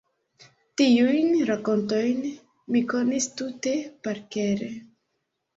Tiujn rakontojn mi konis tute parkere.